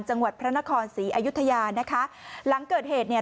จังหวัดพระนครศรีอยุธยานะคะหลังเกิดเหตุเนี่ย